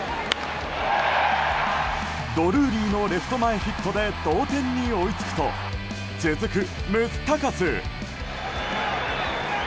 ドルーリーのレフト前ヒットで同点に追いつくと続くムスタカス。